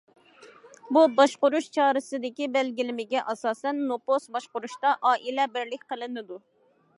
بۇ باشقۇرۇش چارىسىدىكى بەلگىلىمىگە ئاساسەن، نوپۇس باشقۇرۇشتا« ئائىلە» بىرلىك قىلىنىدۇ.